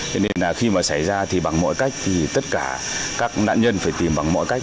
thế nên khi xảy ra thì bằng mọi cách tất cả các nạn nhân phải tìm bằng mọi cách